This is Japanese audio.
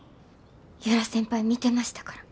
由良先輩見てましたから。